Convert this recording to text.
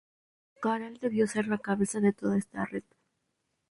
Caral debió ser la cabeza de toda esta red.